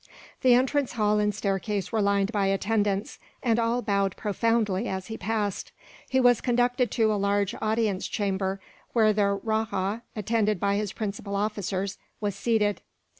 The entrance hall and staircase were lined by attendants, and all bowed profoundly as he passed. He was conducted to a large audience chamber, where the rajah, attended by his principal officers, was seated.